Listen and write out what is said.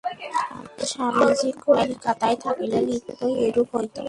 স্বামীজী কলিকাতায় থাকিলে নিত্যই এইরূপ হইত।